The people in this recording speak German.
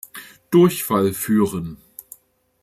Durchfall führen.